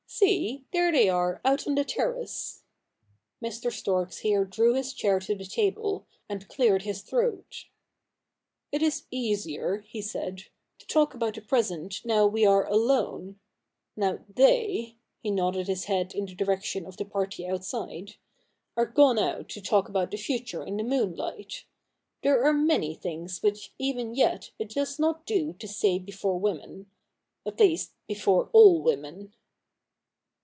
See — there they are out on the terrace.' Mr. Storks here drew his chair to the table, and cleared his throat. ' It is easier,' he said, ' to talk about the present now we are alone — now they,'' he nodded his head in the direction of the party outside, ' are gone out to talk about the future in the moonlight. There are many things which even yet it does not do to say before women — at least, before all women.'